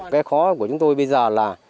cái khó của chúng tôi bây giờ là